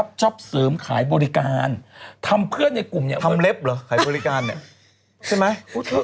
ตกเต้อหม่างเมื่อก่อนอย่าต